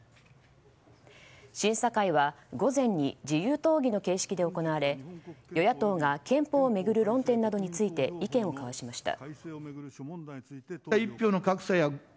審査会は午前に自由討議の形式で行われ与野党が憲法を巡る論点などについて意見を交わしました。